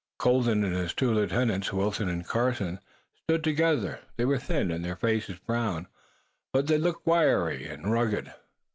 Colden, and his two lieutenants, Wilton and Carson, stood together. They were thin, and their faces brown, but they looked wiry and rugged.